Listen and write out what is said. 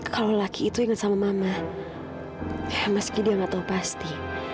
kalau laki itu ingat sama mama meski dia nggak tahu pasti